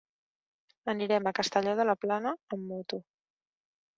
Anirem a Castelló de la Plana amb moto.